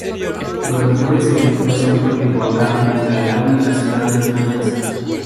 Los mejores ejemplos son Teotihuacan, Monte Albán y las ciudades mayas.